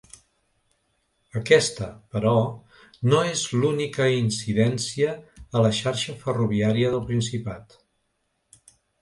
Aquesta, però, no és l’única incidència a la xarxa ferroviària del Principat.